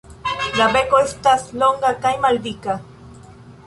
La beko estas longa kaj maldika.